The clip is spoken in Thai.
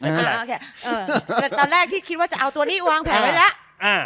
แต่ตอนแรกที่คิดว่าจะเอาตัวที่วางแผนไว้แล้ว